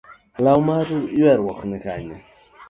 Law mar yueruok ni Kanye?